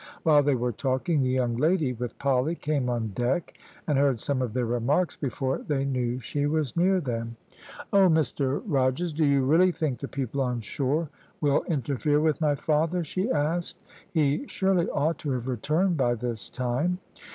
While they were talking, the young lady, with Polly, came on deck, and heard some of their remarks before they knew she was near them. "`Oh, Mr Rogers, do you really think the people on shore will interfere with my father?' she asked. `He surely ought to have returned by this time.'